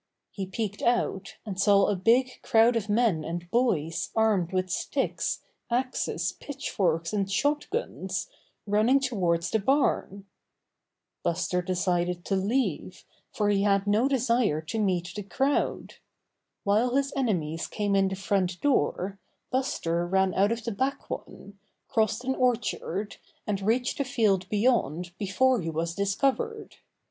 He peeked out, and saw a big crowd of men and boys armed with sticks, axes, pitchforks and shot guns, running toward the barn. Buster decided to leave, for he had no de sire to meet the crowd. While his enemies came in the front door, Buster ran out of the back one, crossed an orchard, and reached a field beyond before he was discovered.